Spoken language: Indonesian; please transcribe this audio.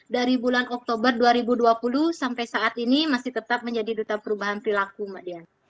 dari bulan oktober dua ribu dua puluh sampai saat ini masih tetap menjadi duta perubahan perilaku mbak dian